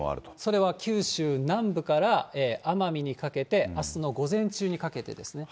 それは九州南部から奄美にかけて、あすの午前中にかけてですね。